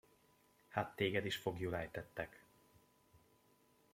Hát téged is foglyul ejtettek!